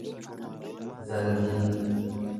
zangii